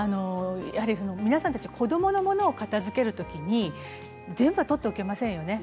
皆さんたち子どもの物を片づける時に全部は取っておけませんですよね。